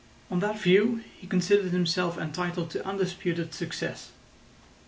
On that view he considered himself entitled to undisputed success.